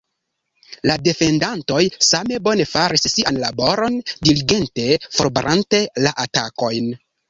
La defendantoj same bone faris sian laboron, diligente forbarante la atakojn.